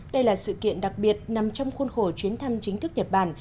đây là sự kiện đặc biệt nằm trong khuôn khổ chuyến thăm chính thức nhật bản